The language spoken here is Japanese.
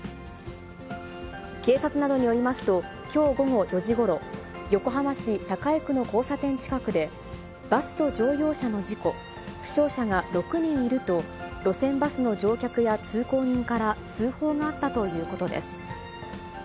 警察などによりますと、きょう午後４時ごろ、横浜市栄区の交差点近くで、バスと乗用車の事故、負傷者が６人いると、路線バスの乗客や通行人から通報があったということです。